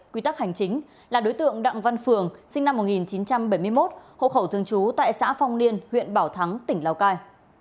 quy tắc hành chính là đối tượng đặng văn phường sinh năm một nghìn chín trăm bảy mươi một hộ khẩu thường trú tại xã phong niên huyện bảo thắng tỉnh lào cai